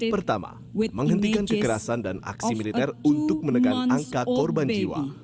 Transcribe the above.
pertama menghentikan kekerasan dan aksi militer untuk menekan angka korban jiwa